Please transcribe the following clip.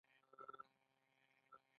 هغوی د حاکم نظام په وړاندې بغاوت کاوه.